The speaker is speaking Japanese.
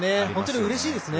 うれしいですね。